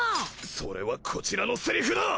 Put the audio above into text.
それはこちらのセリフだ！